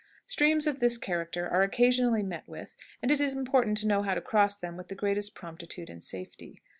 Streams of this character are occasionally met with, and it is important to know how to cross them with the greatest promptitude and safety.